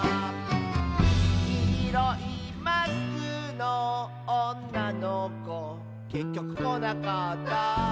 「きいろいマスクのおんなのこ」「けっきょくこなかった」